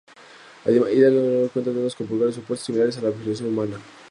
Ida además cuenta con cinco dedos con pulgares opuestos, similar a la fisionomía humana.